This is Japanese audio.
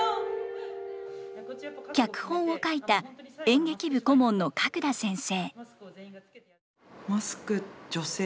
脚本を書いた演劇部顧問の角田先生。